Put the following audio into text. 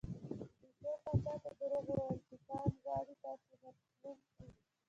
پیشو پاچا ته دروغ وویل چې ټام غواړي تاسې مسموم کړي.